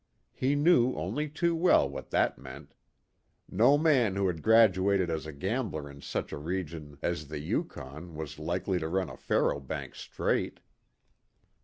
He knew only too well what that meant. No man who had graduated as a gambler in such a region as the Yukon was likely to run a faro bank straight.